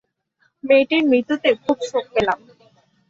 মেয়েটির মৃত্যুতে খুব শোক পেলাম।